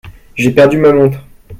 J'ai perdu ma montre.